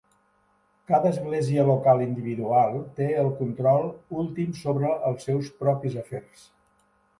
Cada església local individual té el control últim sobre els seus propis afers.